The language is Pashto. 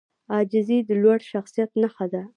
عاجزي د لوړ شخصیت نښه ده.